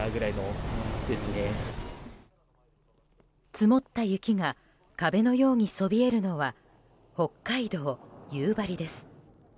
積もった雪が壁のようにそびえるのは北海道夕張です。